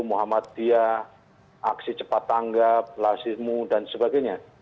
muhammad diyah aksi cepat tanggap lasimu dan sebagainya